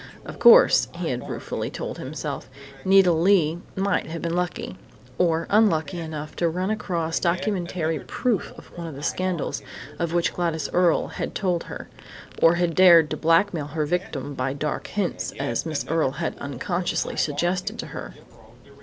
Of course he had ruefully told himself Nita Leigh might have been lucky or unlucky enough to run across documentary proof of one of the scandals of which Gladys Earle had told her, or had dared to blackmail her victim by dark hints, as Miss Earle had unconsciously suggested to her.